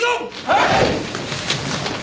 はい！